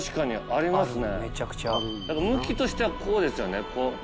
向きとしてはこうですよね。